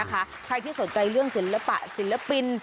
ใครที่สนใจเรื่องศิลปะศิลปิน